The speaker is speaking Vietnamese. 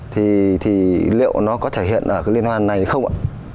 thì liệu nó có thể hiện ở cái liên hoan này không ạ